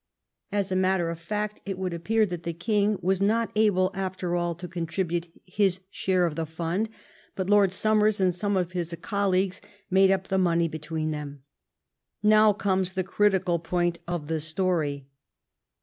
As a matter of fact, it would appear that the King was not able, after all, to contribute his share of the fund, but Lord Somers and some of his colleagues made up the money between them. Now comes the critical point of the story.